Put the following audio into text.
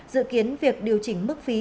dự kiến việc điều chỉnh mức phí